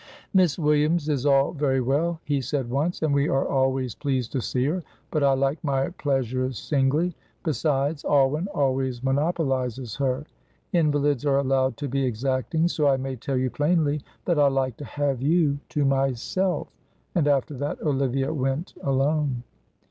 "Miss Williams is all very well," he said once, "and we are always pleased to see her, but I like my pleasures singly; besides, Alwyn always monopolizes her. Invalids are allowed to be exacting, so I may tell you plainly that I like to have you to myself," and after that Olivia went alone.